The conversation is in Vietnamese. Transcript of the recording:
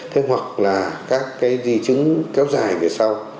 thế hoặc là các cái di chứng kéo dài về sau